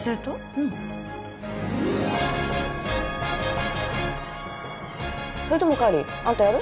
うんそれとも浬あんたやる？